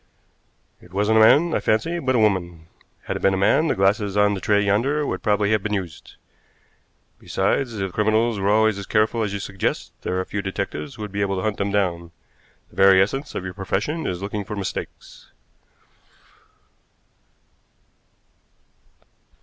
"It wasn't a man, I fancy, but a woman. Had it been a man, the glasses on the tray yonder would probably have been used. Besides, if criminals were always as careful as you suggest, there are few detectives who would be able to hunt them down. The very essence of your profession is looking for mistakes."